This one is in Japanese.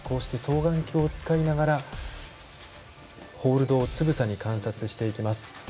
こうして双眼鏡を使いながらホールドをつぶさに観察していきます。